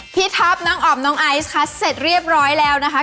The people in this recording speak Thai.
ท็อปน้องอ๋อมน้องไอซ์ค่ะเสร็จเรียบร้อยแล้วนะคะ